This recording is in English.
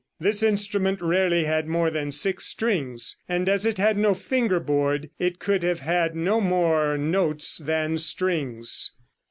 This instrument rarely had more than six strings, and as it had no finger board it could have had no more notes than strings.